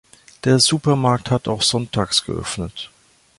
Der Supermarkt hat auch sonntags geöffnet.